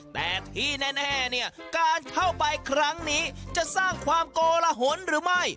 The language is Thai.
แต่ที่แน่เนี่ยการเข้าไปครั้งนี้จะสร้างความโกลหนหรือไม่